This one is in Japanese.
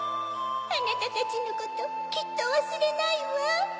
あなたたちのこときっとわすれないわ。